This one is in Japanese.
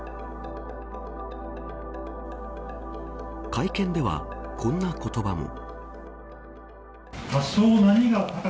会見では、こんな言葉も。